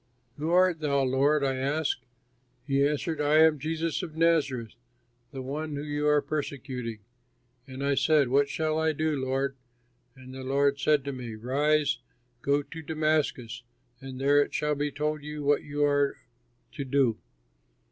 'Who art thou, Lord?' I asked. He answered, 'I am Jesus of Nazareth, the one whom you are persecuting.' And I said, 'What shall I do, Lord?' And the Lord said to me, 'Rise, and go to Damascus, and there it shall be told you what you are to do.'